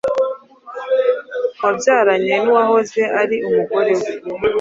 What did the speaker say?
yabyaranye n’uwahoze ari umugore we,